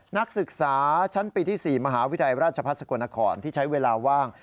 นักศึกษาชั้นปีที่๔มหาวิทยาลัยราชพัฒนสกลนครที่ใช้เวลาว่าง